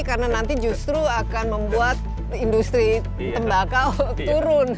karena nanti justru akan membuat industri tembaka turun